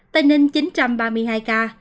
tây ninh chín trăm ba mươi hai ca